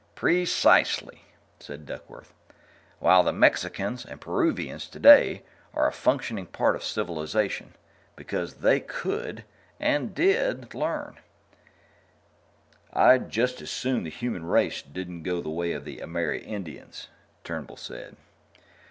"Precisely," said Duckworth. "While the Mexicans and Peruvians today are a functioning part of civilization because they could and did learn." "I'd just as soon the human race didn't go the way of the Amerindians," Turnbull said.